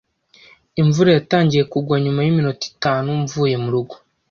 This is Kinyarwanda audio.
Imvura yatangiye kugwa nyuma yiminota itanu mvuye murugo.